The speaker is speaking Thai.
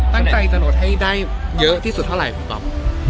ตั้งใจจะโหลดให้ได้เยอะที่สุดเท่าไหร่พี่ป๊อบ